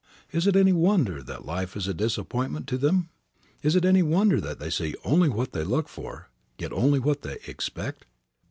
Is it any wonder that life is a disappointment to them? Is it any wonder that they see only what they look for, get only what they expect?